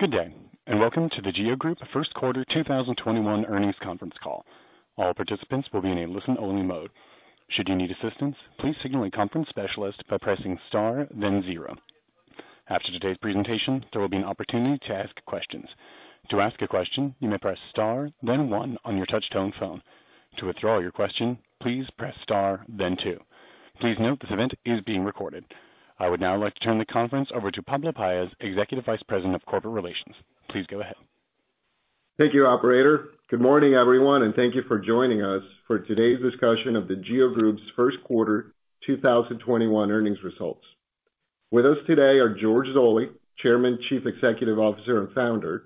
Good day. Welcome to The GEO Group first quarter 2021 earnings conference call. All participants will be in listen-only mode. Should you need assistance, please signal a conference specialist by pressing star then zero. After today's presentation, there will be an opportunity to ask a question. To ask a question, you may press star then one on your touch tone phone. To withdraw your question, please press star, then two. Please note that this event is being recorded. I would now like to turn the conference over to Pablo Paez, Executive Vice President of Corporate Relations. Please go ahead. Thank you, operator. Good morning, everyone, and thank you for joining us for today's discussion of The GEO Group's first quarter 2021 earnings results. With us today are George Zoley, Chairman, Chief Executive Officer, and Founder;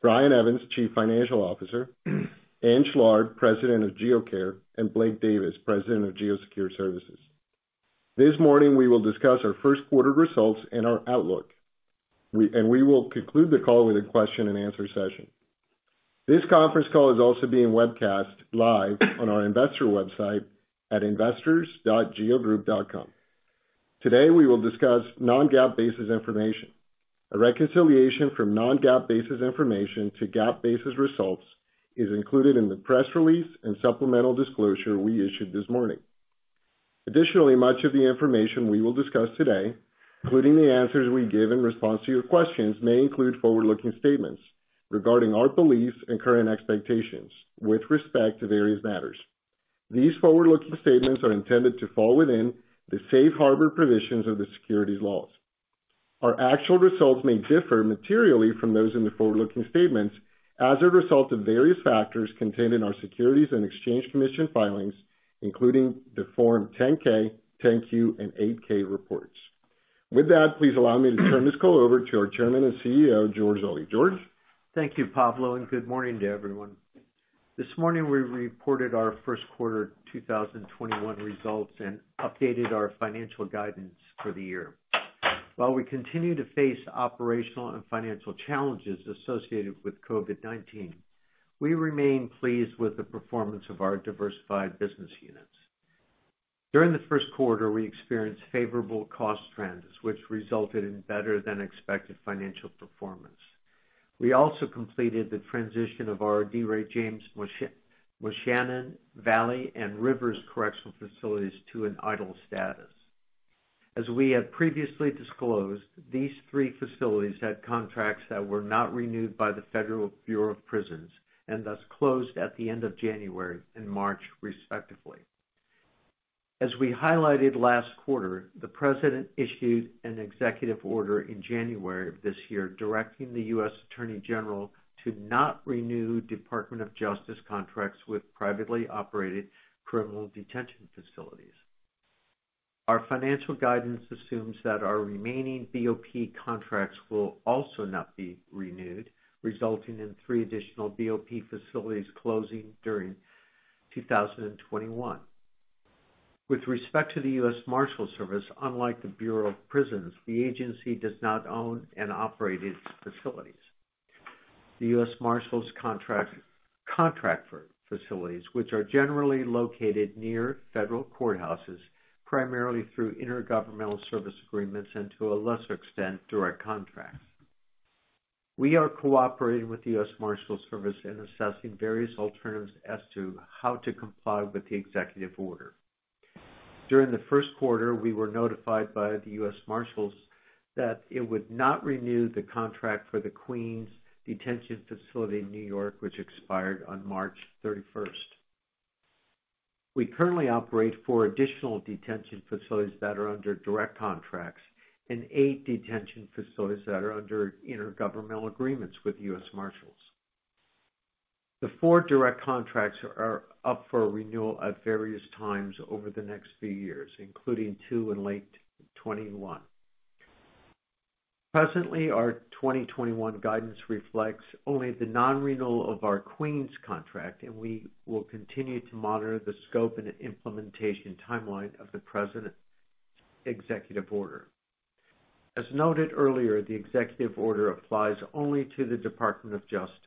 Brian Evans, Chief Financial Officer; Ann Schlarb, President of GEO Care, and Blake Davis, President of GEO Secure Services. This morning, we will discuss our first quarter results and our outlook. We will conclude the call with a question and answer session. This conference call is also being webcast live on our investor website at investors.geogroup.com. Today, we will discuss non-GAAP basis information. A reconciliation from non-GAAP basis information to GAAP basis results is included in the press release and supplemental disclosure we issued this morning. Additionally, much of the information we will discuss today, including the answers we give in response to your questions, may include forward-looking statements regarding our beliefs and current expectations with respect to various matters. These forward-looking statements are intended to fall within the safe harbor provisions of the securities laws. Our actual results may differ materially from those in the forward-looking statements as a result of various factors contained in our Securities and Exchange Commission filings, including the Form 10-K, 10-Q, and 8-K reports. With that, please allow me to turn this call over to our Chairman and CEO, George Zoley. George? Thank you, Pablo, and good morning to everyone. This morning, we reported our first quarter 2021 results and updated our financial guidance for the year. While we continue to face operational and financial challenges associated with COVID-19, we remain pleased with the performance of our diversified business units. During the first quarter, we experienced favorable cost trends, which resulted in better than expected financial performance. We also completed the transition of our D. Ray James, Moshannon Valley, and Rivers Correctional Facilities to an idle status. As we have previously disclosed, these three facilities had contracts that were not renewed by the Federal Bureau of Prisons, and thus closed at the end of January and March, respectively. As we highlighted last quarter, the President issued an executive order in January of this year, directing the U.S. Attorney General to not renew Department of Justice contracts with privately operated criminal detention facilities. Our financial guidance assumes that our remaining BOP contracts will also not be renewed, resulting in three additional BOP facilities closing during 2021. With respect to the U.S. Marshals Service, unlike the Bureau of Prisons, the agency does not own and operate its facilities. The U.S. Marshals contract for facilities, which are generally located near federal courthouses, primarily through intergovernmental service agreements and to a lesser extent, through our contracts. We are cooperating with the U.S. Marshals Service in assessing various alternatives as to how to comply with the executive order. During the first quarter, we were notified by the U.S. Marshals that it would not renew the contract for the Queens Detention Facility in New York, which expired on March 31st. We currently operate four additional detention facilities that are under direct contracts and eight detention facilities that are under intergovernmental agreements with U.S. Marshals. The four direct contracts are up for renewal at various times over the next few years, including two in late 2021. Presently, our 2021 guidance reflects only the non-renewal of our Queens contract, and we will continue to monitor the scope and implementation timeline of the President's executive order. As noted earlier, the executive order applies only to the Department of Justice.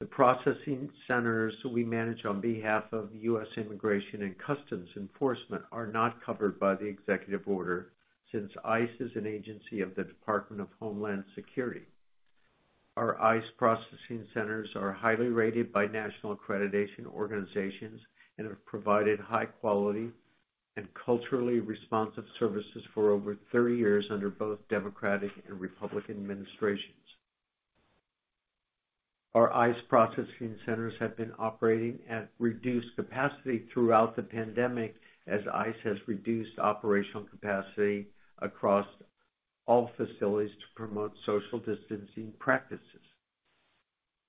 The processing centers we manage on behalf of U.S. Immigration and Customs Enforcement are not covered by the executive order, since ICE is an agency of the Department of Homeland Security. Our ICE processing centers are highly rated by national accreditation organizations and have provided high quality and culturally responsive services for over 30 years under both Democratic and Republican administrations. Our ICE processing centers have been operating at reduced capacity throughout the pandemic, as ICE has reduced operational capacity across all facilities to promote social distancing practices.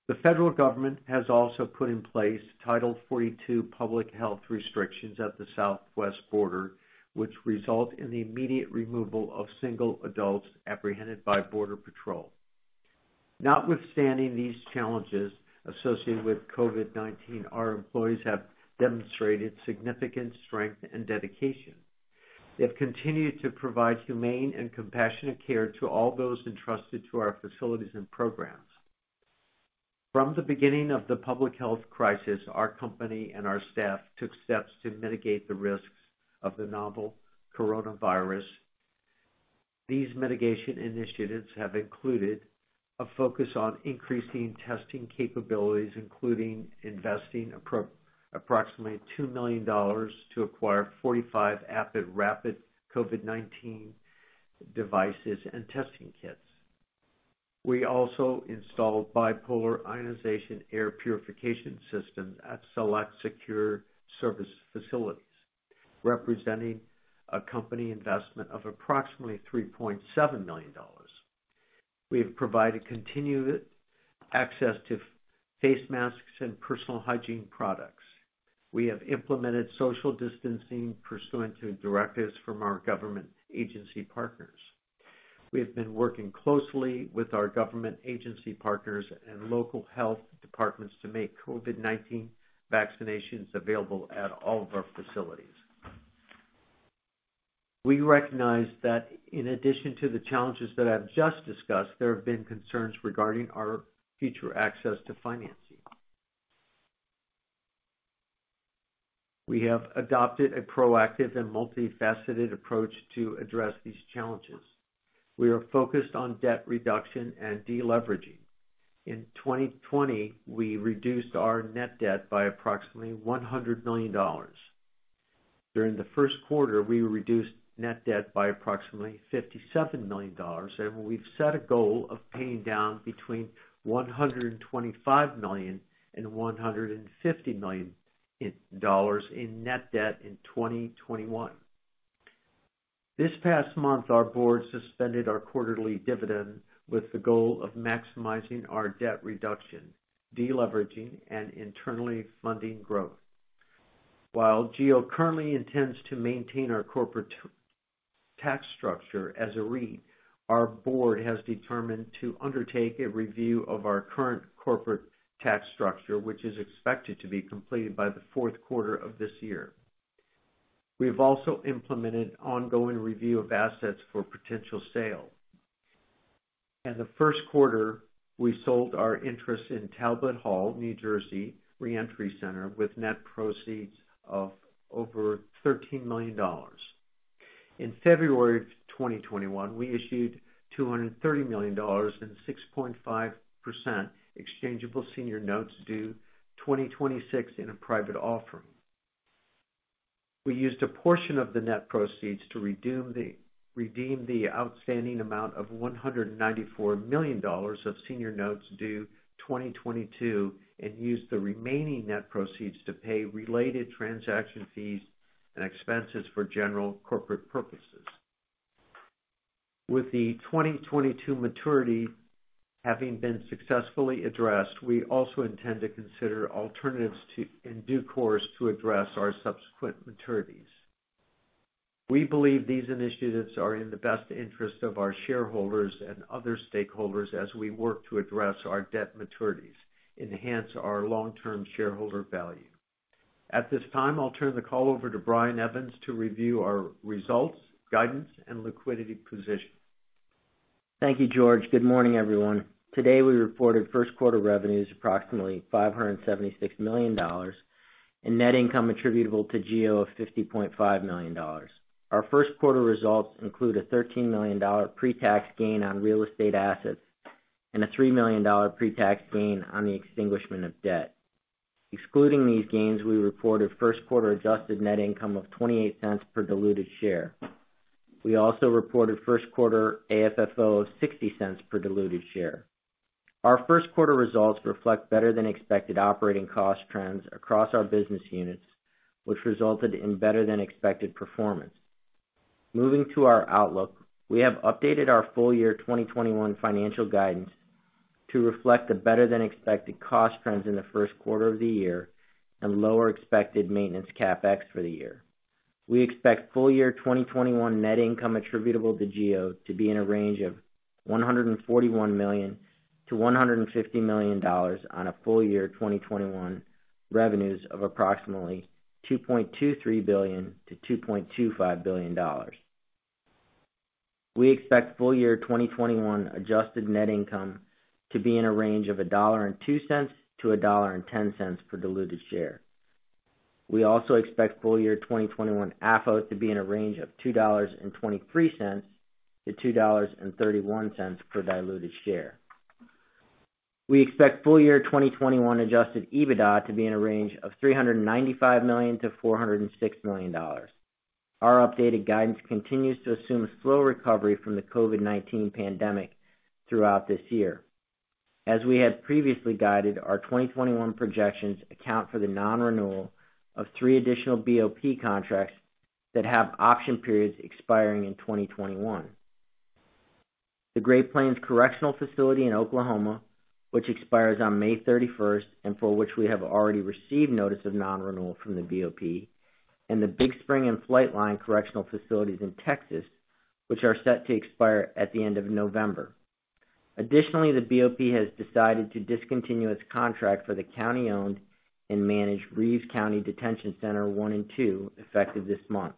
The federal government has also put in place Title 42 public health restrictions at the southwest border, which result in the immediate removal of single adults apprehended by border patrol. Notwithstanding these challenges associated with COVID-19, our employees have demonstrated significant strength and dedication. They've continued to provide humane and compassionate care to all those entrusted to our facilities and programs. From the beginning of the public health crisis, our company and our staff took steps to mitigate the risks of the novel coronavirus. These mitigation initiatives have included a focus on increasing testing capabilities, including investing approximately $2 million to acquire 45 rapid COVID-19 devices and testing kits. We also installed bipolar ionization air purification systems at select secure service facilities, representing a company investment of approximately $3.7 million. We have provided continued access to face masks and personal hygiene products. We have implemented social distancing pursuant to directives from our government agency partners. We have been working closely with our government agency partners and local health departments to make COVID-19 vaccinations available at all of our facilities. We recognize that in addition to the challenges that I've just discussed, there have been concerns regarding our future access to financing. We have adopted a proactive and multifaceted approach to address these challenges. We are focused on debt reduction and de-leveraging. In 2020, we reduced our net debt by approximately $100 million. During the first quarter, we reduced net debt by approximately $57 million, and we've set a goal of paying down between $125 million and $150 million in net debt in 2021. This past month, our board suspended our quarterly dividend with the goal of maximizing our debt reduction, de-leveraging, and internally funding growth. While GEO currently intends to maintain our corporate tax structure as a REIT, our board has determined to undertake a review of our current corporate tax structure, which is expected to be completed by the fourth quarter of this year. We have also implemented ongoing review of assets for potential sale. In the first quarter, we sold our interest in Talbot Hall, New Jersey Reentry Center, with net proceeds of over $13 million. In February of 2021, we issued $230 million in 6.5% exchangeable senior notes due 2026 in a private offering. We used a portion of the net proceeds to redeem the outstanding amount of $194 million of senior notes due 2022, and used the remaining net proceeds to pay related transaction fees and expenses for general corporate purposes. With the 2022 maturity having been successfully addressed, we also intend to consider alternatives in due course to address our subsequent maturities. We believe these initiatives are in the best interest of our shareholders and other stakeholders as we work to address our debt maturities, enhance our long-term shareholder value. At this time, I'll turn the call over to Brian Evans to review our results, guidance, and liquidity position. Thank you, George. Good morning, everyone. Today, we reported first quarter revenues approximately $576 million and net income attributable to GEO of $50.5 million. Our first quarter results include a $13 million pre-tax gain on real estate assets and a $3 million pre-tax gain on the extinguishment of debt. Excluding these gains, we reported first quarter Adjusted Net Income of $0.28 per diluted share. We also reported first quarter AFFO of $0.60 per diluted share. Our first quarter results reflect better-than-expected operating cost trends across our business units, which resulted in better than expected performance. Moving to our outlook, we have updated our full year 2021 financial guidance to reflect the better than expected cost trends in the first quarter of the year and lower expected maintenance CapEx for the year. We expect full year 2021 net income attributable to GEO to be in a range of $141 million-$150 million on a full year 2021 revenues of approximately $2.23 billion-$2.25 billion. We expect full year 2021 Adjusted Net Income to be in a range of $1.02-$1.10 per diluted share. We also expect full year 2021 AFFO to be in a range of $2.23-$2.31 per diluted share. We expect full year 2021 adjusted EBITDA to be in a range of $395 million-$406 million. Our updated guidance continues to assume a slow recovery from the COVID-19 pandemic throughout this year. As we had previously guided, our 2021 projections account for the non-renewal of three additional BOP contracts that have option periods expiring in 2021. The Great Plains Correctional Facility in Oklahoma, which expires on May 31st, and for which we have already received notice of non-renewal from the BOP, and the Big Spring and Flightline correctional facilities in Texas, which are set to expire at the end of November. Additionally, the BOP has decided to discontinue its contract for the county-owned and managed Reeves County Detention Center 1 and 2, effective this month.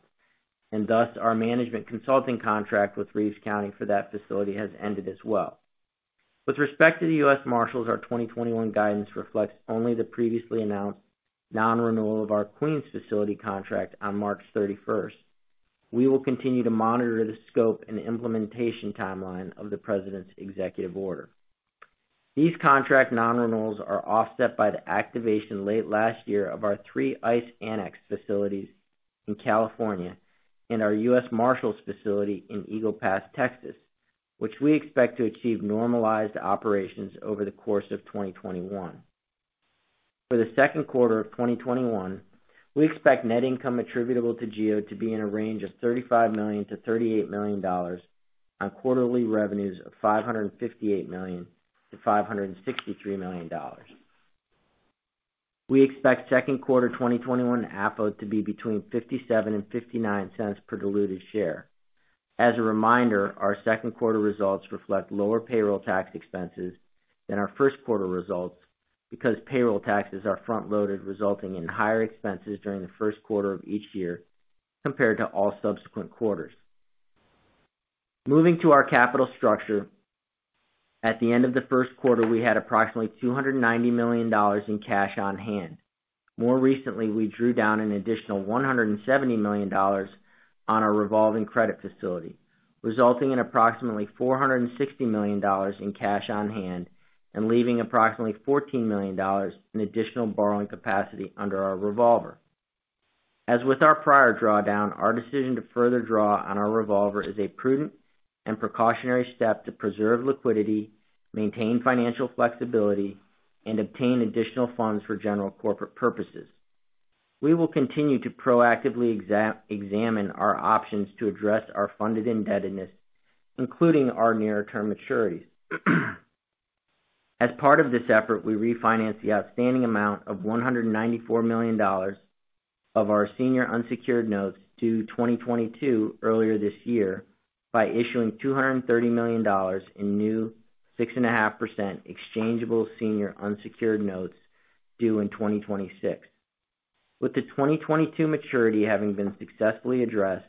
Thus, our management consulting contract with Reeves County for that facility has ended as well. With respect to the U.S. Marshals, our 2021 guidance reflects only the previously announced non-renewal of our Queens facility contract on March 31st. We will continue to monitor the scope and implementation timeline of the president's executive order. These contract non-renewals are offset by the activation late last year of our three ICE Annex facilities in California and our U.S. Marshals facility in Eagle Pass, Texas, which we expect to achieve normalized operations over the course of 2021. For the second quarter of 2021, we expect net income attributable to GEO to be in a range of $35 million to $38 million on quarterly revenues of $558 million to $563 million. We expect second quarter 2021 AFFO to be between $0.57 and $0.59 per diluted share. As a reminder, our second quarter results reflect lower payroll tax expenses than our first quarter results, because payroll taxes are front-loaded, resulting in higher expenses during the first quarter of each year compared to all subsequent quarters. Moving to our capital structure. At the end of the first quarter, we had approximately $290 million in cash on hand. More recently, we drew down an additional $170 million on our revolving credit facility, resulting in approximately $460 million in cash on hand and leaving approximately $14 million in additional borrowing capacity under our revolver. As with our prior drawdown, our decision to further draw on our revolver is a prudent and precautionary step to preserve liquidity, maintain financial flexibility, and obtain additional funds for general corporate purposes. We will continue to proactively examine our options to address our funded indebtedness, including our near-term maturities. As part of this effort, we refinanced the outstanding amount of $194 million of our senior unsecured notes due 2022 earlier this year by issuing $230 million in new 6.5% exchangeable senior unsecured notes due in 2026. With the 2022 maturity having been successfully addressed,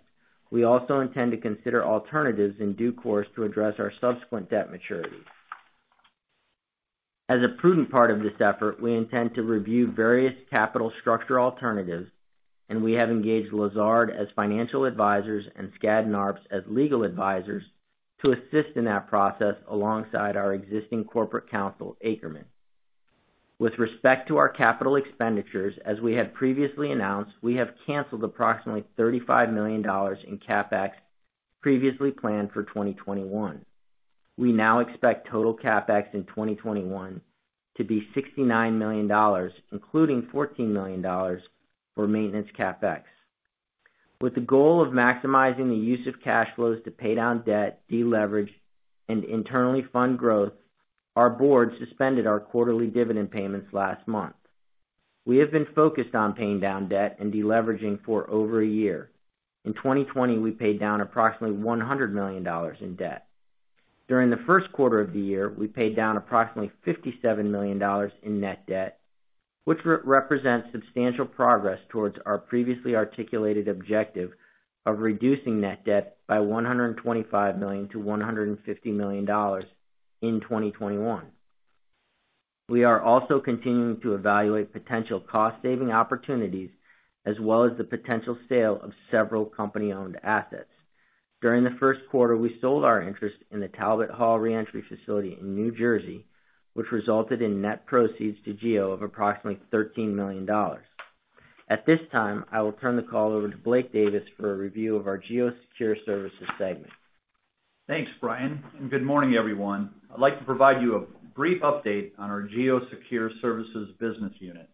we also intend to consider alternatives in due course to address our subsequent debt maturities. As a prudent part of this effort, we intend to review various capital structure alternatives, and we have engaged Lazard as financial advisors and Skadden, Arps as legal advisors to assist in that process alongside our existing corporate counsel, Akerman. With respect to our capital expenditures, as we had previously announced, we have canceled approximately $35 million in CapEx previously planned for 2021. We now expect total CapEx in 2021 to be $69 million, including $14 million for maintenance CapEx. With the goal of maximizing the use of cash flows to pay down debt, deleverage, and internally fund growth, our board suspended our quarterly dividend payments last month. We have been focused on paying down debt and deleveraging for over a year. In 2020, we paid down approximately $100 million in debt. During the first quarter of the year, we paid down approximately $57 million in net debt, which represents substantial progress towards our previously articulated objective of reducing net debt by $125 million-$150 million in 2021. We are also continuing to evaluate potential cost-saving opportunities, as well as the potential sale of several company-owned assets. During the first quarter, we sold our interest in the Talbot Hall Reentry Facility in New Jersey, which resulted in net proceeds to GEO of approximately $13 million. At this time, I will turn the call over to Blake Davis for a review of our GEO Secure Services segment. Thanks, Brian, and good morning, everyone. I'd like to provide you a brief update on our GEO Secure Services business unit.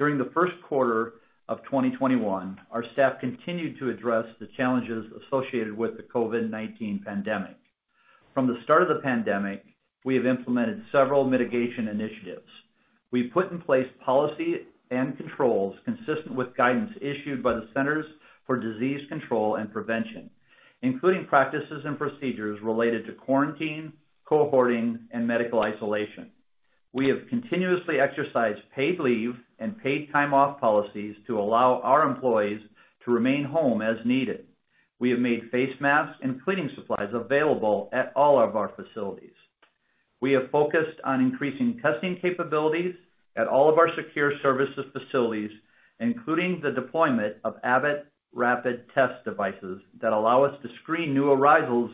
During the first quarter of 2021, our staff continued to address the challenges associated with the COVID-19 pandemic. From the start of the pandemic, we have implemented several mitigation initiatives. We put in place policy and controls consistent with guidance issued by the Centers for Disease Control and Prevention, including practices and procedures related to quarantine, cohorting, and medical isolation. We have continuously exercised paid leave and paid time off policies to allow our employees to remain home as needed. We have made face masks and cleaning supplies available at all of our facilities. We have focused on increasing testing capabilities at all of our Secure Services facilities, including the deployment of Abbott rapid test devices that allow us to screen new arrivals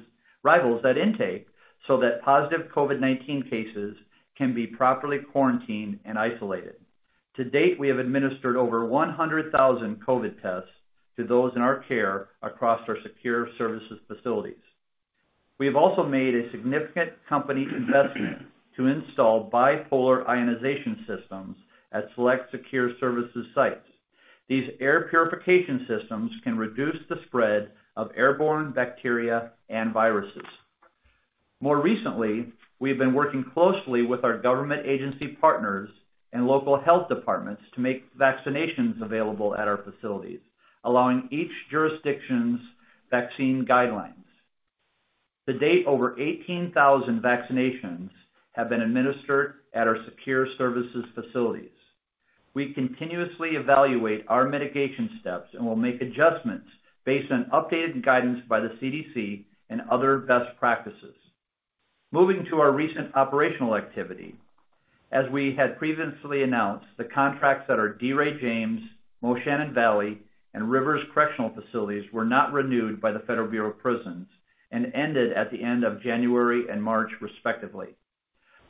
at intake, so that positive COVID-19 cases can be properly quarantined and isolated. To date, we have administered over 100,000 COVID tests to those in our care across our Secure Services facilities. We have also made a significant company investment to install bipolar ionization systems at select Secure Services sites. These air purification systems can reduce the spread of airborne bacteria and viruses. More recently, we have been working closely with our government agency partners and local health departments to make vaccinations available at our facilities, allowing each jurisdiction's vaccine guidelines. To date, over 18,000 vaccinations have been administered at our Secure Services facilities. We continuously evaluate our mitigation steps and will make adjustments based on updated guidance by the CDC and other best practices. Moving to our recent operational activity. As we had previously announced, the contracts at our D. Ray James, Moshannon Valley, and Rivers Correctional Facilities were not renewed by the Federal Bureau of Prisons and ended at the end of January and March, respectively.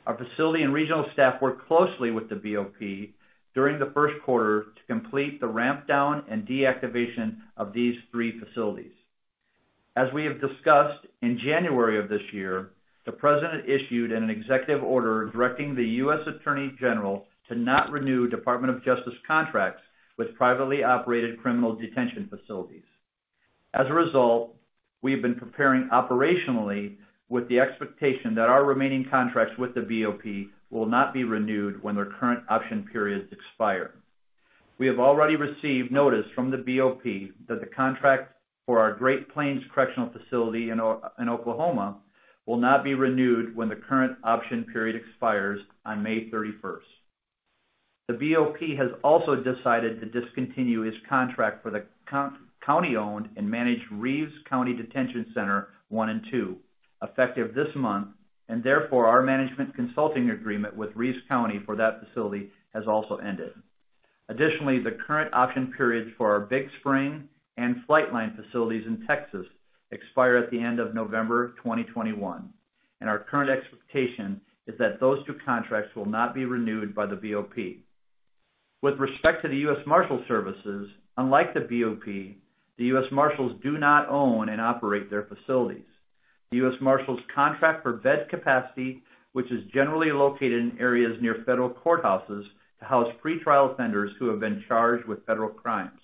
Our facility and regional staff worked closely with the BOP during the first quarter to complete the ramp down and deactivation of these three facilities. As we have discussed, in January of this year, the president issued an executive order directing the U.S. Attorney General to not renew Department of Justice contracts with privately operated criminal detention facilities. As a result, we have been preparing operationally with the expectation that our remaining contracts with the BOP will not be renewed when their current option periods expire. We have already received notice from the BOP that the contract for our Great Plains Correctional Facility in Oklahoma will not be renewed when the current option period expires on May 31st. The BOP has also decided to discontinue its contract for the county-owned and managed Reeves County Detention Center one and two, effective this month, and therefore, our management consulting agreement with Reeves County for that facility has also ended. The current option periods for our Big Spring and Flightline facilities in Texas expire at the end of November 2021, and our current expectation is that those two contracts will not be renewed by the BOP. With respect to the U.S. Marshals Service, unlike the BOP, the U.S. Marshals do not own and operate their facilities. The U.S. Marshals contract for bed capacity, which is generally located in areas near federal courthouses to house pretrial offenders who have been charged with federal crimes.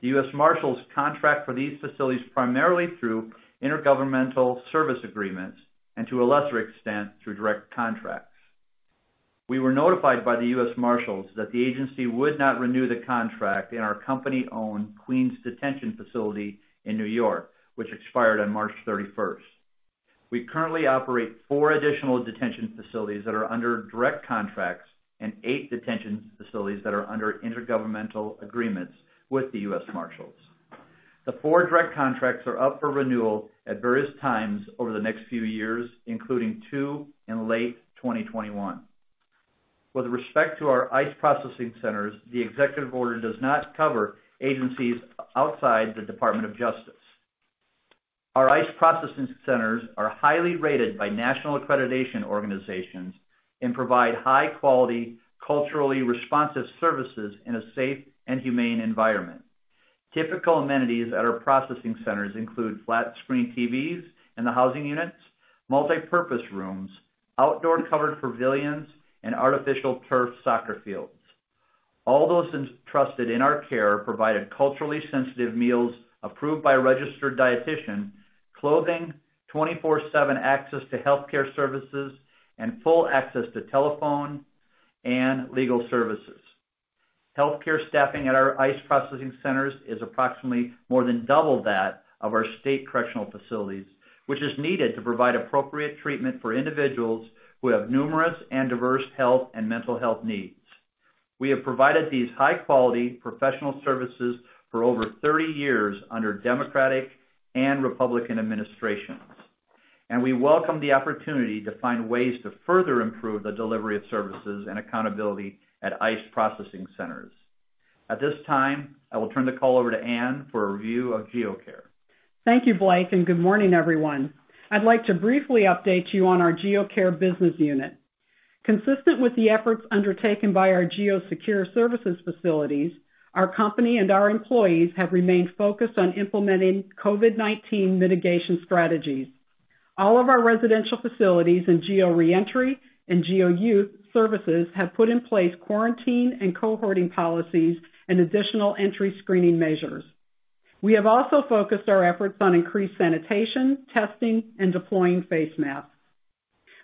The U.S. Marshals contract for these facilities primarily through intergovernmental service agreements and, to a lesser extent, through direct contracts. We were notified by the U.S. Marshals that the agency would not renew the contract in our company-owned Queens Detention Facility in New York, which expired on March 31st. We currently operate four additional detention facilities that are under direct contracts and eight detention facilities that are under intergovernmental agreements with the U.S. Marshals. The four direct contracts are up for renewal at various times over the next few years, including two in late 2021. With respect to our ICE processing centers, the executive order does not cover agencies outside the Department of Justice. Our ICE processing centers are highly rated by national accreditation organizations and provide high-quality, culturally-responsive services in a safe and humane environment. Typical amenities at our processing centers include flat-screen TVs in the housing units, multipurpose rooms, outdoor covered pavilions, and artificial turf soccer fields. All those entrusted in our care are provided culturally-sensitive meals approved by a registered dietitian, clothing, 24/7 access to healthcare services, and full access to telephone and legal services. Healthcare staffing at our ICE processing centers is approximately more than double that of our state correctional facilities, which is needed to provide appropriate treatment for individuals who have numerous and diverse health and mental health needs. We have provided these high-quality professional services for over 30 years under Democratic and Republican administrations, and we welcome the opportunity to find ways to further improve the delivery of services and accountability at ICE processing centers. At this time, I will turn the call over to Ann for a review of GEO Care. Thank you, Blake, and good morning, everyone. I'd like to briefly update you on our GEO Care business unit. Consistent with the efforts undertaken by our GEO Secure Services facilities, our company and our employees have remained focused on implementing COVID-19 mitigation strategies. All of our residential facilities in GEO Reentry and GEO Youth Services have put in place quarantine and cohorting policies and additional entry screening measures. We have also focused our efforts on increased sanitation, testing, and deploying face masks.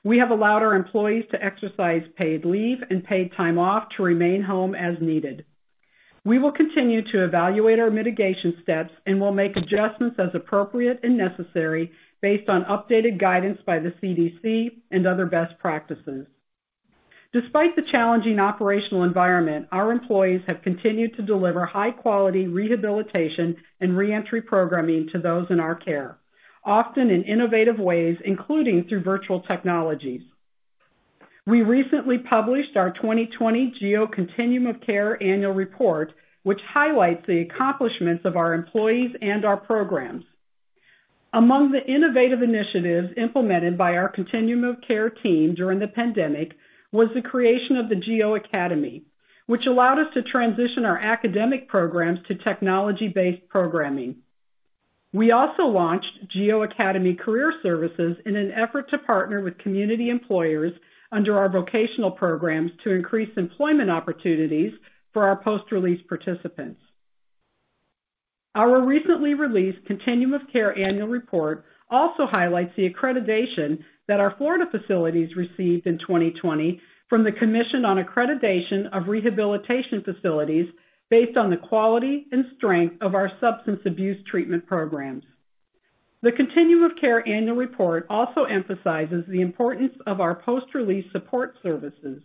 We have allowed our employees to exercise paid leave and paid time off to remain home as needed. We will continue to evaluate our mitigation steps and will make adjustments as appropriate and necessary based on updated guidance by the CDC and other best practices. Despite the challenging operational environment, our employees have continued to deliver high-quality rehabilitation and reentry programming to those in our care, often in innovative ways, including through virtual technologies. We recently published our 2020 GEO Continuum of Care Annual Report, which highlights the accomplishments of our employees and our programs. Among the innovative initiatives implemented by our Continuum of Care team during the pandemic was the creation of the GEO Academy, which allowed us to transition our academic programs to technology-based programming. We also launched GEO Academy Career Services in an effort to partner with community employers under our vocational programs to increase employment opportunities for our post-release participants. Our recently released Continuum of Care Annual Report also highlights the accreditation that our Florida facilities received in 2020 from the Commission on Accreditation of Rehabilitation Facilities based on the quality and strength of our substance abuse treatment programs. The Continuum of Care Annual Report also emphasizes the importance of our post-release support services.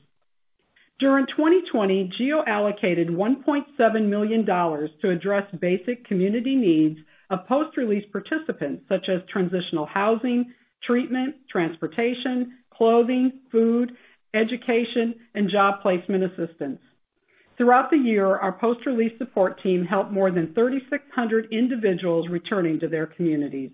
During 2020, GEO allocated $1.7 million to address basic community needs of post-release participants, such as transitional housing, treatment, transportation, clothing, food, education, and job placement assistance. Throughout the year, our post-release support team helped more than 3,600 individuals returning to their communities.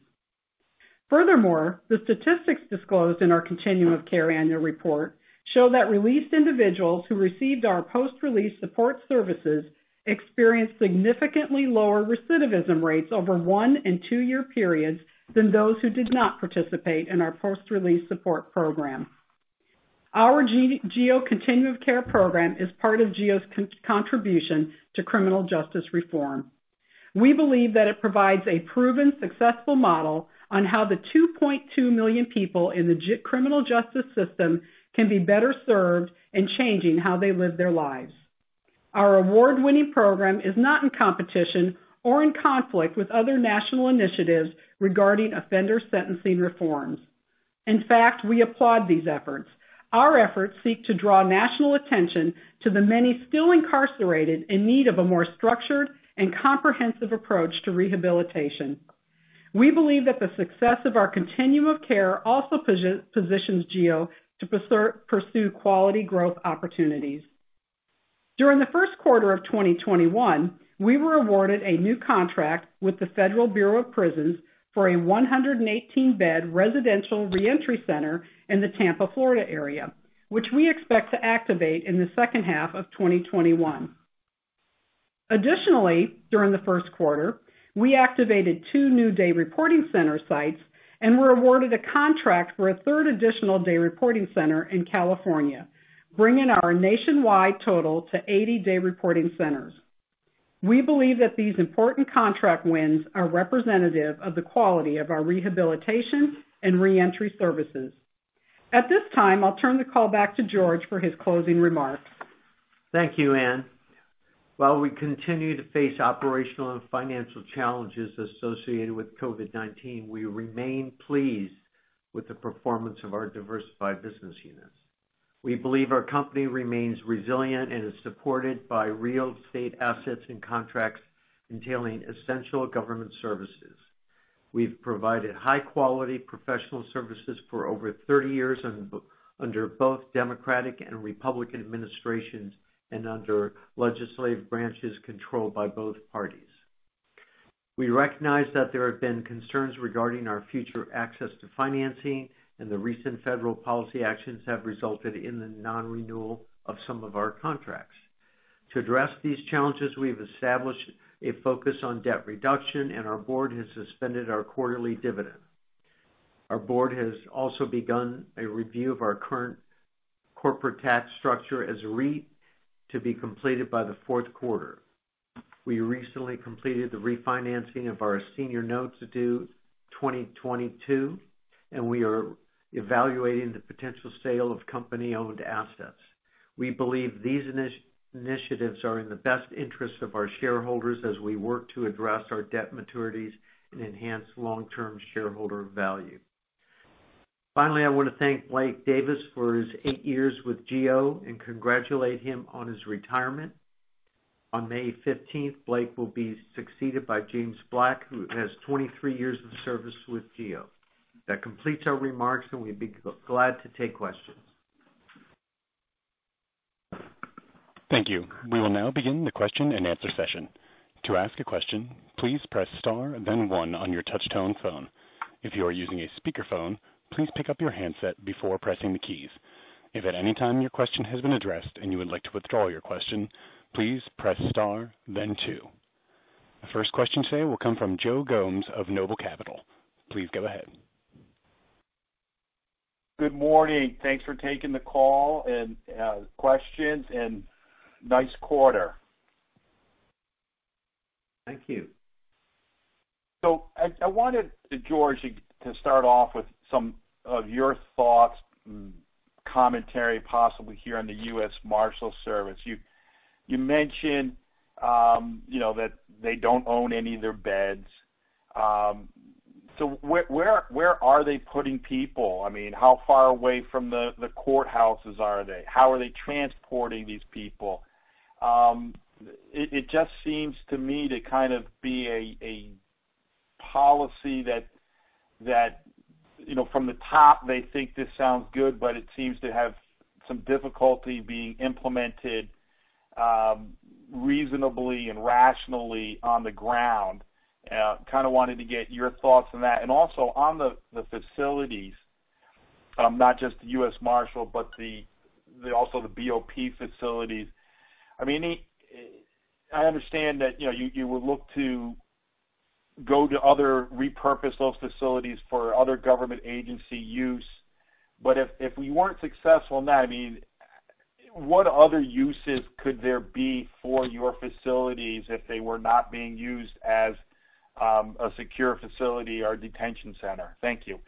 The statistics disclosed in our Continuum of Care Annual Report show that released individuals who received our post-release support services experienced significantly lower recidivism rates over one and two-year periods than those who did not participate in our post-release support program. Our GEO Continuum of Care program is part of GEO's contribution to criminal justice reform. We believe that it provides a proven, successful model on how the 2.2 million people in the criminal justice system can be better served in changing how they live their lives. Our award-winning program is not in competition or in conflict with other national initiatives regarding offender sentencing reforms. In fact, we applaud these efforts. Our efforts seek to draw national attention to the many still incarcerated in need of a more structured and comprehensive approach to rehabilitation. We believe that the success of our Continuum of Care also positions GEO to pursue quality growth opportunities. During the first quarter of 2021, we were awarded a new contract with the Federal Bureau of Prisons for a 118-bed residential reentry center in the Tampa, Florida area, which we expect to activate in the second half of 2021. Additionally, during the first quarter, we activated two new day reporting center sites and were awarded a contract for a third additional day reporting center in California, bringing our nationwide total to 80 day reporting centers. We believe that these important contract wins are representative of the quality of our rehabilitation and reentry services. At this time, I'll turn the call back to George for his closing remarks. Thank you, Ann. While we continue to face operational and financial challenges associated with COVID-19, we remain pleased with the performance of our diversified business units. We believe our company remains resilient and is supported by real estate assets and contracts entailing essential government services. We've provided high-quality professional services for over 30 years under both Democratic and Republican administrations, and under legislative branches controlled by both parties. We recognize that there have been concerns regarding our future access to financing, and the recent federal policy actions have resulted in the non-renewal of some of our contracts. To address these challenges, we've established a focus on debt reduction, and our board has suspended our quarterly dividend. Our board has also begun a review of our current corporate tax structure as a REIT to be completed by the fourth quarter. We recently completed the refinancing of our senior notes due 2022, and we are evaluating the potential sale of company-owned assets. We believe these initiatives are in the best interest of our shareholders as we work to address our debt maturities and enhance long-term shareholder value. Finally, I want to thank Blake Davis for his eight years with GEO and congratulate him on his retirement. On May 15th, Blake will be succeeded by James Black, who has 23 years of service with GEO. That completes our remarks, and we'd be glad to take questions. Thank you. We will now begin the question and answer session. To ask a question, please press star then one on your touchtone phone. If you are using a speakerphone, please pick up your handset before pressing the keys. If at any time your question has been addressed and you would like to withdraw your question, please press star then two. The first question today will come from Joe Gomes of Noble Capital. Please go ahead. Good morning. Thanks for taking the call and questions. Nice quarter. Thank you. I wanted, George, to start off with some of your thoughts and commentary, possibly, here on the U.S. Marshals Service. You mentioned that they don't own any of their beds. Where are they putting people? How far away from the courthouses are they? How are they transporting these people? It just seems to me to kind of be a policy that from the top they think this sounds good, but it seems to have some difficulty being implemented reasonably and rationally on the ground. I kind of wanted to get your thoughts on that. Also on the facilities, not just the U.S. Marshal, but also the BOP facilities. I understand that you would look to go to other repurposed facilities for other government agency use. If we weren't successful in that, what other uses could there be for your facilities if they were not being used as a secure facility or detention center? Thank you.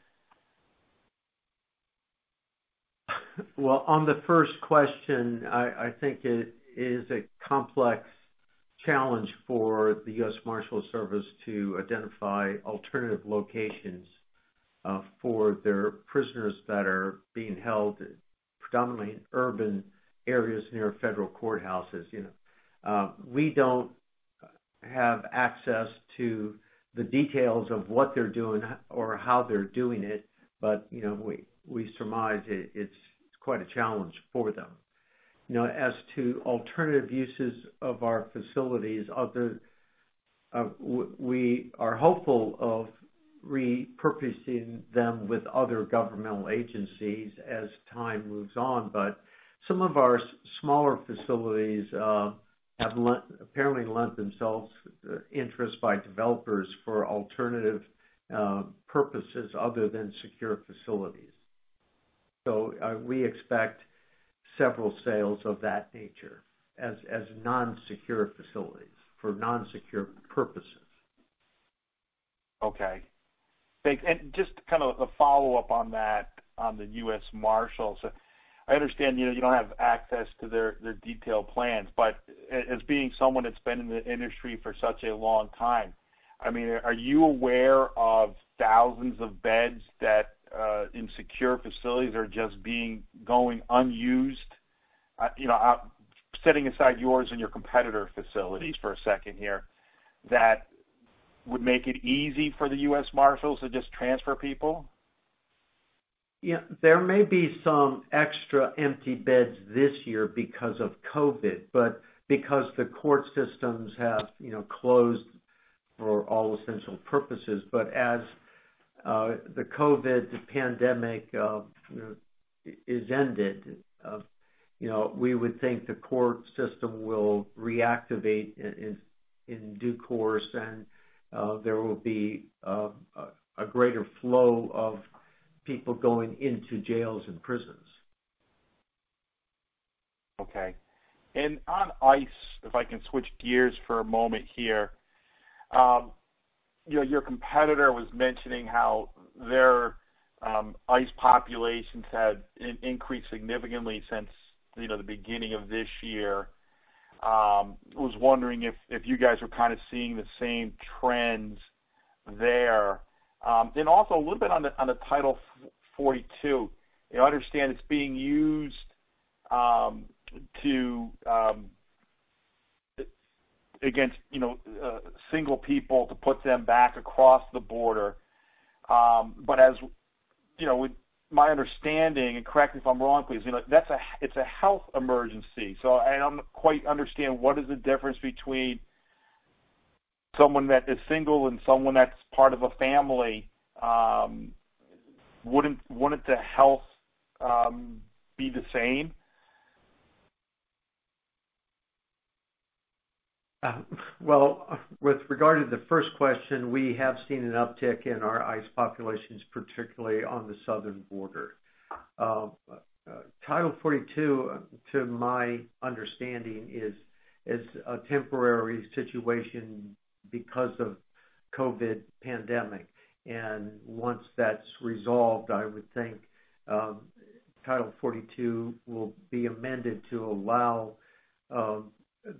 Well, on the first question, I think it is a complex challenge for the U.S. Marshals Service to identify alternative locations for their prisoners that are being held predominantly in urban areas near federal courthouses. We don't have access to the details of what they're doing or how they're doing it, we surmise it's quite a challenge for them. As to alternative uses of our facilities, we are hopeful of repurposing them with other governmental agencies as time moves on. Some of our smaller facilities have apparently lent themselves interest by developers for alternative purposes other than secure facilities. We expect several sales of that nature as non-secure facilities for non-secure purposes. Okay. Thanks. Just a follow-up on that, on the U.S. Marshals. I understand you don't have access to their detailed plans, but as being someone that's been in the industry for such a long time, are you aware of thousands of beds that, in secure facilities, are just going unused? Setting aside yours and your competitor facilities for a second here, that would make it easy for the U.S. Marshals to just transfer people? There may be some extra empty beds this year because of COVID, but because the court systems have closed for all essential purposes. As the COVID pandemic is ended, we would think the court system will reactivate in due course and there will be a greater flow of people going into jails and prisons. Okay. On ICE, if I can switch gears for a moment here. Your competitor was mentioning how their ICE populations had increased significantly since the beginning of this year. I was wondering if you guys are kind of seeing the same trends there. Also, a little bit on the Title 42. I understand it's being used against single people to put them back across the border. With my understanding, and correct me if I'm wrong, please, it's a health emergency, so I don't quite understand what is the difference between someone that is single and someone that's part of a family. Wouldn't the health be the same? Well, with regard to the first question, we have seen an uptick in our ICE populations, particularly on the southern border. Title 42, to my understanding, is a temporary situation because of COVID pandemic. Once that's resolved, I would think Title 42 will be amended to allow the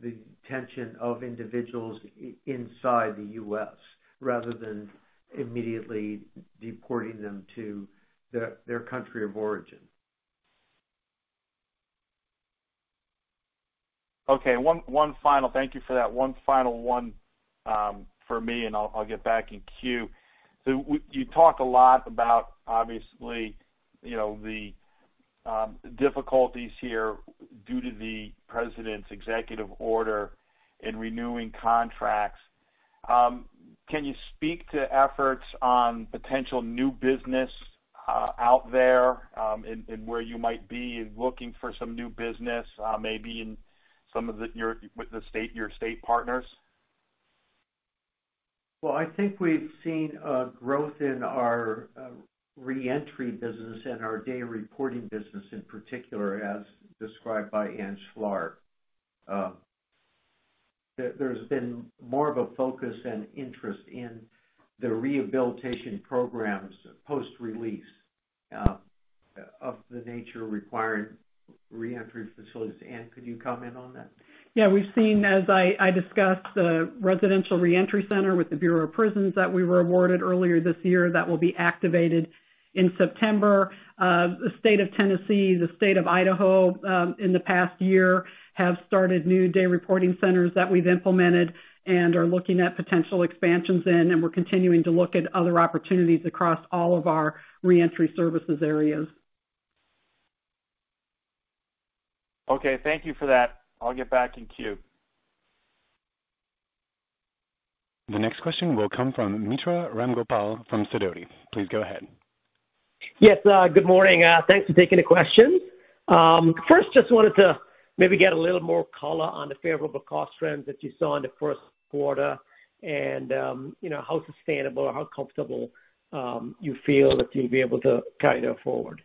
detention of individuals inside the U.S. rather than immediately deporting them to their country of origin. Okay. Thank you for that. One final one for me, and I'll get back in queue. You talk a lot about, obviously, the difficulties here due to the president's executive order in renewing contracts. Can you speak to efforts on potential new business out there, and where you might be looking for some new business, maybe with your state partners? Well, I think we've seen a growth in our reentry business and our day reporting business in particular, as described by Ann Schlarb. There's been more of a focus and interest in the rehabilitation programs post-release, of the nature requiring reentry facilities. Ann, could you comment on that? Yeah, we've seen, as I discussed, the residential reentry center with the Bureau of Prisons that we were awarded earlier this year, that will be activated in September. The State of Tennessee, the State of Idaho, in the past year, have started new day reporting centers that we've implemented and are looking at potential expansions in, and we're continuing to look at other opportunities across all of our reentry services areas. Okay, thank you for that. I'll get back in queue. The next question will come from Mitra Ramgopal from Sidoti. Please go ahead. Yes, good morning. Thanks for taking the question. First, just wanted to maybe get a little more color on the favorable cost trends that you saw in the first quarter and how sustainable or how comfortable you feel that you'll be able to kind of forward?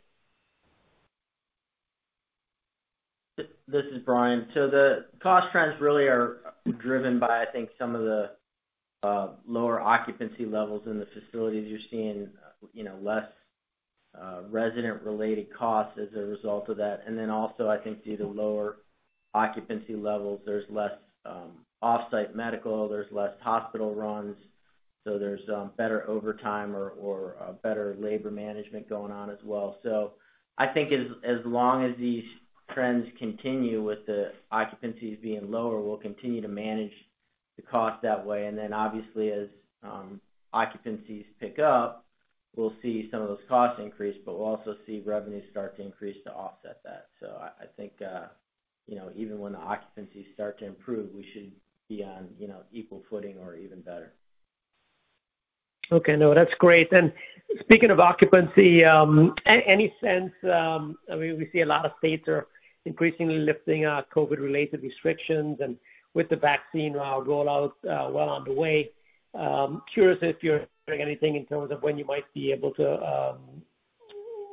This is Brian. The cost trends really are driven by, I think, some of the lower occupancy levels in the facilities. You're seeing less resident-related costs as a result of that. Also, I think, due to lower occupancy levels, there's less off-site medical, there's less hospital runs, so there's better overtime or better labor management going on as well. I think as long as these trends continue with the occupancies being lower, we'll continue to manage the cost that way. Obviously as occupancies pick up, we'll see some of those costs increase, but we'll also see revenues start to increase to offset that. I think even when the occupancies start to improve, we should be on equal footing or even better. Okay. No, that's great. Speaking of occupancy, we see a lot of states are increasingly lifting COVID-related restrictions, and with the vaccine rollout well underway, curious if you're hearing anything in terms of when you might be able to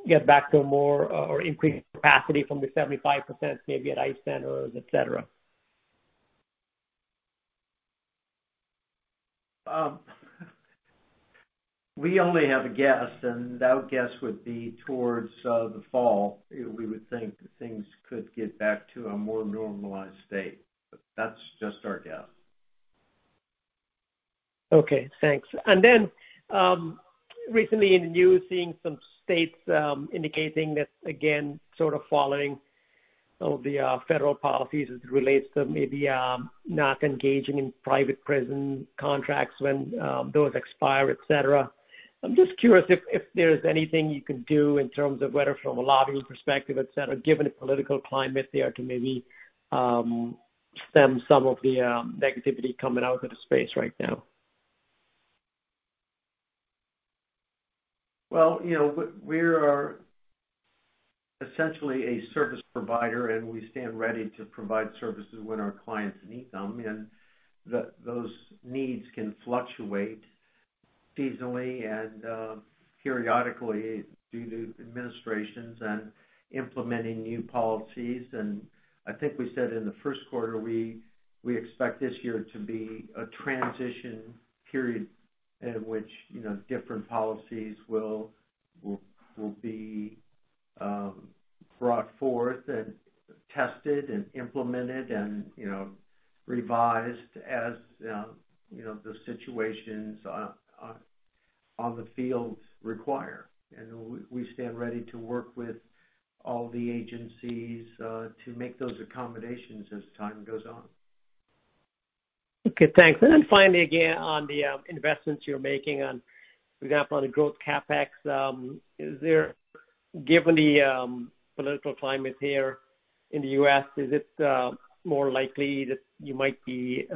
get back to more or increased capacity from the 75%, maybe at ICE centers, et cetera. We only have a guess, and that guess would be towards the fall. We would think that things could get back to a more normalized state. That's just our guess. Okay, thanks. Recently in the news, seeing some states indicating that, again, sort of following the federal policies as it relates to maybe not engaging in private prison contracts when those expire, et cetera. I'm just curious if there's anything you can do in terms of whether from a lobbying perspective, et cetera, given the political climate there, to maybe stem some of the negativity coming out of the space right now. Well, we are essentially a service provider, and we stand ready to provide services when our clients need them, and those needs can fluctuate seasonally and periodically due to administrations and implementing new policies. I think we said in the first quarter, we expect this year to be a transition period in which different policies will be brought forth and tested and implemented and revised as the situations on the field require. We stand ready to work with all the agencies to make those accommodations as time goes on. Okay, thanks. Finally, again, on the investments you're making on, for example, on the growth CapEx, given the political climate here in the U.S., is it more likely that you might be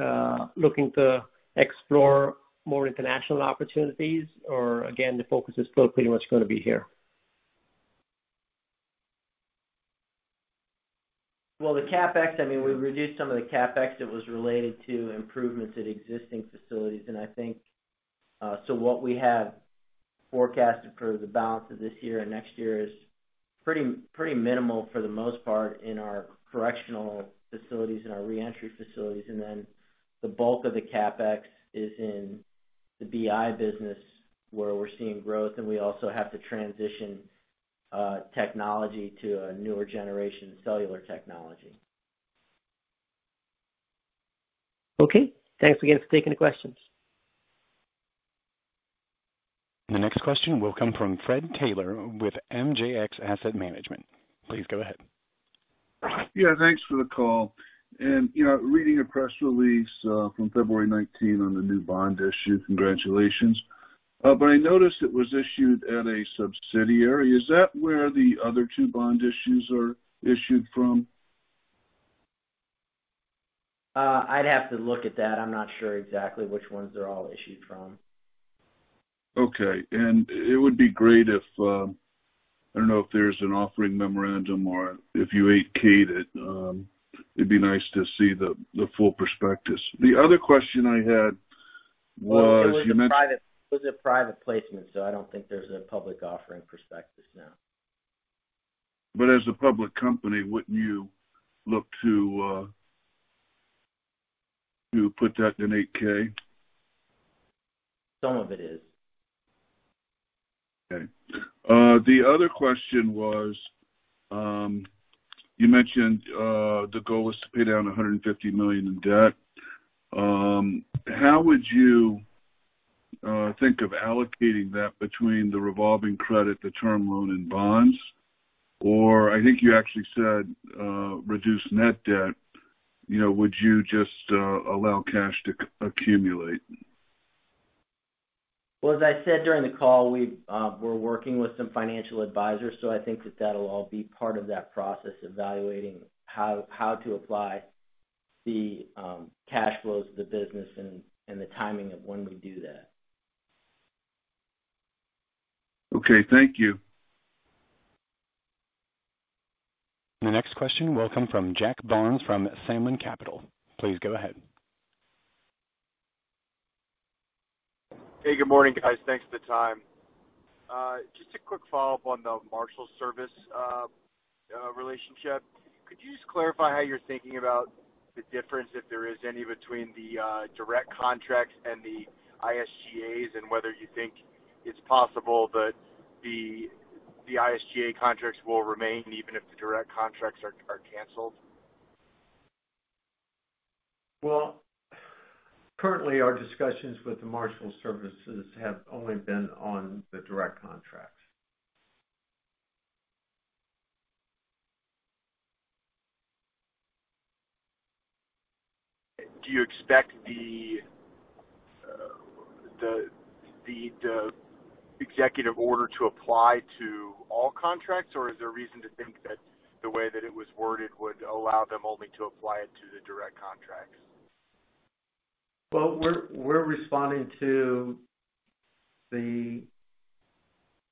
looking to explore more international opportunities? Again, the focus is still pretty much going to be here? The CapEx, we reduced some of the CapEx that was related to improvements at existing facilities, and I think, so what we have forecasted for the balance of this year and next year is pretty minimal for the most part in our correctional facilities and our reentry facilities. The bulk of the CapEx is in the BI business where we're seeing growth, and we also have to transition technology to a newer generation of cellular technology. Okay. Thanks again for taking the questions. The next question will come from Fred Taylor with MJX Asset Management. Please go ahead. Yeah, thanks for the call. Reading a press release from February 19 on the new bond issue, congratulations. I noticed it was issued at a subsidiary. Is that where the other two bond issues are issued from? I'd have to look at that. I'm not sure exactly which ones they're all issued from. Okay. It would be great if, I don't know if there's an offering memorandum or if you 8-K'd it. It'd be nice to see the full prospectus. The other question I had was- It was a private placement, so I don't think there's a public offering prospectus, no. As a public company, wouldn't you look to put that in an 8-K? Some of it is. Okay. The other question was, you mentioned, the goal was to pay down $150 million in debt. How would you think of allocating that between the revolving credit, the term loan, and bonds? I think you actually said, reduce net debt. Would you just allow cash to accumulate? As I said during the call, we're working with some financial advisors, so I think that that'll all be part of that process, evaluating how to apply the cash flows of the business and the timing of when we do that. Okay. Thank you. The next question will come from Jack Barnes from Samlyn Capital. Please go ahead. Hey, good morning, guys. Thanks for the time. Just a quick follow-up on the Marshals Service relationship. Could you just clarify how you're thinking about the difference, if there is any, between the direct contracts and the IGSAs, and whether you think it's possible that the IGA contracts will remain even if the direct contracts are canceled? Well, currently, our discussions with the U.S. Marshals Service have only been on the direct contracts. Do you expect the executive order to apply to all contracts, or is there reason to think that the way that it was worded would allow them only to apply it to the direct contracts? Well, we're responding to the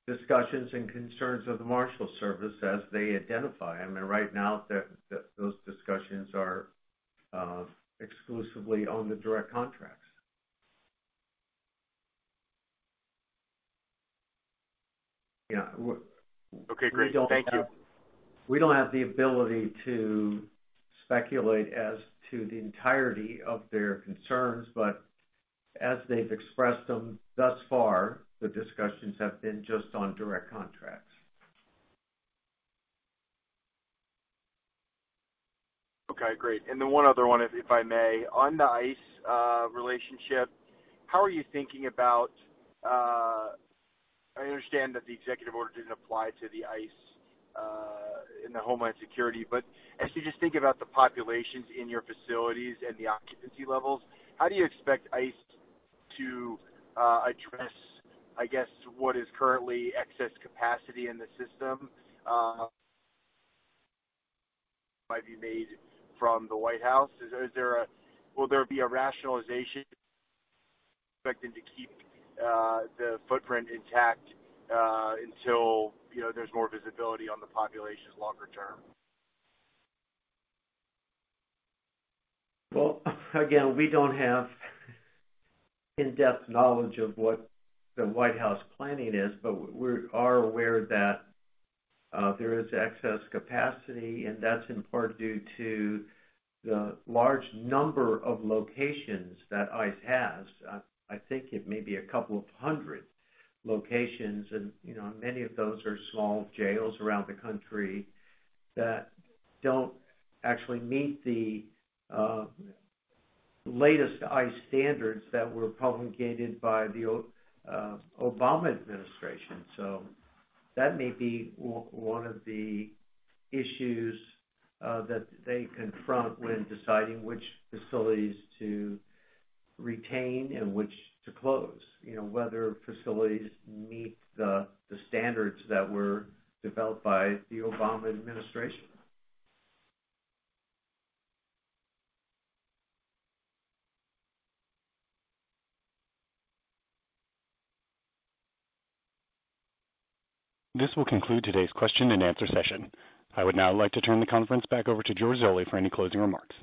discussions and concerns of the Marshals Service as they identify. Right now, those discussions are exclusively on the direct contracts. Yeah. Okay, great. Thank you. We don't have the ability to speculate as to the entirety of their concerns, but as they've expressed them thus far, the discussions have been just on direct contracts. Okay, great. One other one, if I may. On the ICE relationship, how are you thinking about I understand that the executive order didn't apply to the ICE in the Homeland Security, but as you just think about the populations in your facilities and the occupancy levels, how do you expect ICE to address, I guess, what is currently excess capacity in the system might be made from the White House? Will there be a rationalization, expecting to keep the footprint intact until there's more visibility on the populations longer term? Again, we don't have in-depth knowledge of what the White House planning is, but we are aware that there is excess capacity, and that's in part due to the large number of locations that ICE has. I think it may be a couple of hundred locations, and many of those are small jails around the country that don't actually meet the latest ICE standards that were promulgated by the Obama administration. That may be one of the issues that they confront when deciding which facilities to retain and which to close. Whether facilities meet the standards that were developed by the Obama administration. This will conclude today's question and answer session. I would now like to turn the conference back over to George Zoley for any closing remarks.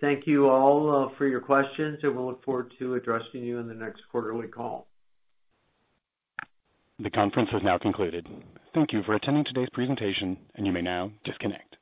Thank you all for your questions. We'll look forward to addressing you in the next quarterly call. The conference has now concluded. Thank you for attending today's presentation. You may now disconnect.